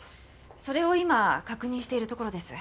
それを今確認しているところです。